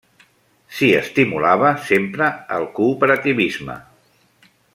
S'hi estimulava sempre el cooperativisme.